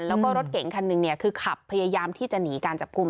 แล้วก็รถเก่งคันหนึ่งคือขับพยายามที่จะหนีการจับกลุ่ม